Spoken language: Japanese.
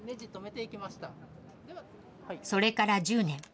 それから１０年。